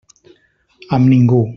Amb ningú.